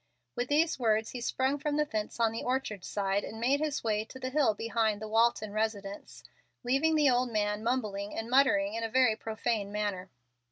With these words he sprung from the fence on the orchard side, and made his way to the hill behind the Walton residence, leaving the old man mumbling and muttering in a very profane manner.